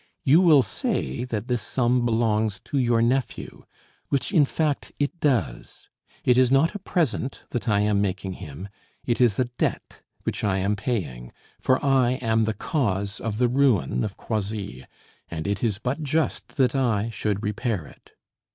You will say that this sum belongs to your nephew, which in fact it does. It is not a present that I am making him, it is a debt which I am paying, for I am the cause of the ruin of Croisilles, and it is but just that I should repair it.